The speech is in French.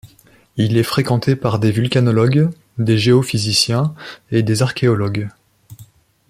Il est fréquenté par des volcanologues, des géophysiciens, et des archéologues.